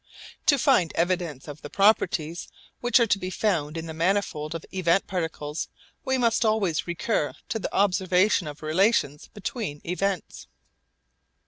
To find evidence of the properties which are to be found in the manifold of event particles we must always recur to the observation of relations between events.